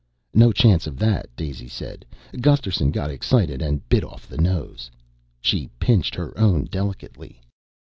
"No chance of that," Daisy said. "Gusterson got excited and bit off the nose." She pinched her own delicately.